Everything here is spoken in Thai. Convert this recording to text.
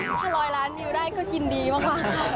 ถ้าร้อยล้านวิวได้ก็กินดีมาก